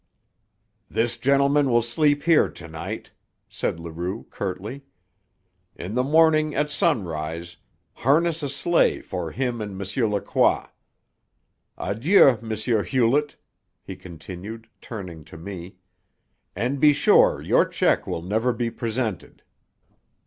"This gentleman will sleep here to night," said Leroux curtly. "In the morning at sunrise harness a sleigh for him and M. Lacroix. Adieu, M. Hewlett," he continued, turning to me. "And be sure your check will never be presented."